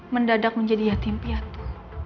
mendadak menjadi yatim piatu